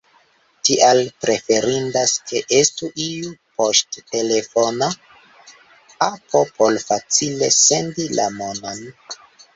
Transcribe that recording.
Tial preferindas ke estu iu poŝtelefona apo por facile sendi la monon.